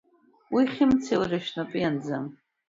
Уи Хымцеи уареи шәнапы ианӡам.